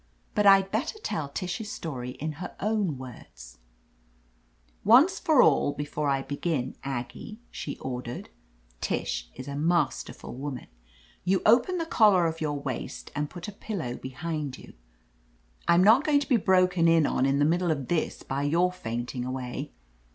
But I'd better tell Tish's story in her own words : "Once for all, before I begin, Aggie," she ordered — ^Tish is a masterful woman — "you open the collar of your waist and put a pillow behind you. I'm not going to be broken in on in the middle of this by your fainting away.